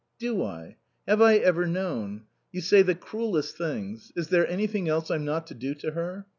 "Do I? Have I ever known? You say the cruellest things. Is there anything else I'm not to do to her?"